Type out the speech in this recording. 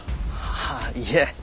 ああいえ。